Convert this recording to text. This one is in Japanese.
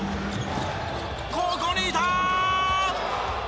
ここにいたー！